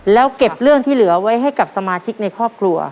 แล้วเก็บเรื่องที่เหลือไว้ให้กับสมาชิกในครอบครัว